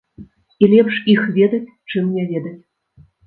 І лепш іх ведаць, чым не ведаць.